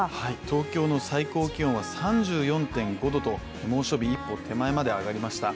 東京の最高気温は３４．５度と猛暑日一歩手前まで上がりました。